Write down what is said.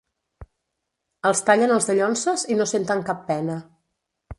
Els tallen els dallonses i no senten cap pena.